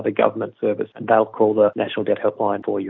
dan mereka akan menyebutkan helpline keuangan nasional untuk anda